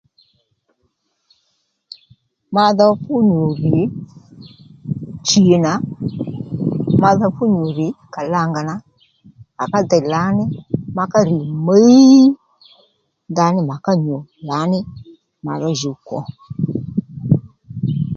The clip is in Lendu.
Madho fú nyû rr̀ chì nà madho fú nyû rr̀ kalanga nà à ká dey lǎní ma ká rrì mwǐy ndaní mà ká nyù lǎní mà ro djuw kwo